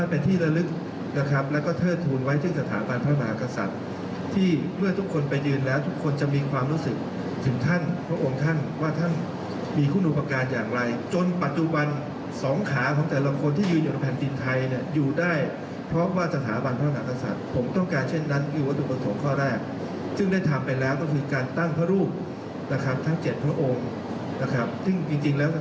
เป็นที่ละลึกนะครับแล้วก็เทิดทูลไว้ถึงสถาบันพระมหากษัตริย์ที่เมื่อทุกคนไปยืนแล้วทุกคนจะมีความรู้สึกถึงท่านพระองค์ท่านว่าท่านมีคุณุปการณ์อย่างไรจนปัจจุบันสองขาของแต่ละคนที่ยืนอยู่ในแผ่นดินไทยเนี่ยอยู่ได้เพราะว่าสถาบันพระมหากษัตริย์ผมต้องการเช่นนั้นคือวัตถุประสงค์ข้อแ